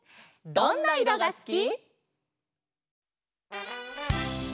「どんないろがすき」「」